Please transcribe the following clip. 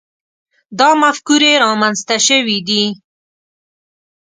دا مفکورې رامنځته شوي دي.